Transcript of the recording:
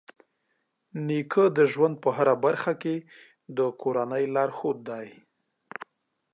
نیکه د ژوند په هره برخه کې د کورنۍ لارښود دی.